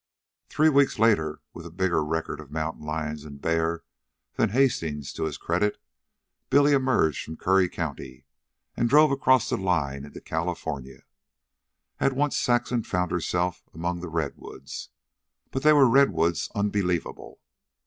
Three weeks later, with a bigger record of mountain lions and bear than Hastings' to his credit, Billy emerged from Curry County and drove across the line into California. At once Saxon found herself among the redwoods. But they were redwoods unbelievable.